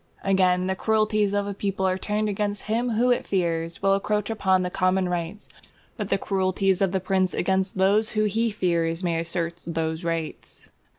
Again, the cruelties of a people are turned against him who it fears will encroach upon the common rights, but the cruelties of the prince against those who he fears may assert those rights.